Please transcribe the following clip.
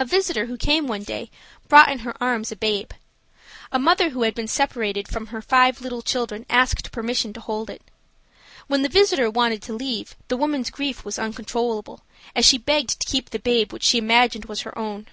A visitor who came one day brought in her arms her babe. A mother who had been separated from her five little children asked permission to hold it. When the visitor wanted to leave, the woman's grief was uncontrollable, as she begged to keep the babe which she imagined was her own.